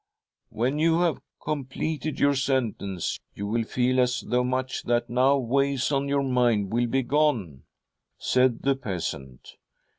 '■•' When you have completed your sentence, you will feel as though much that now weighs on your mind will be gone,' said the peasant.